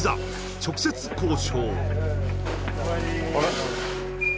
直接交渉